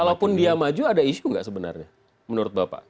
kalaupun dia maju ada isu nggak sebenarnya menurut bapak